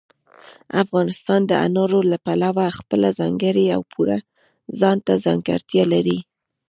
افغانستان د انارو له پلوه خپله ځانګړې او پوره ځانته ځانګړتیا لري.